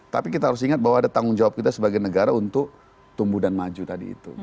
tapi kita harus ingat bahwa ada tanggung jawab kita sebagai negara untuk tumbuh dan maju tadi itu